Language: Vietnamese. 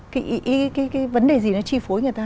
cái vấn đề gì nó chi phối người ta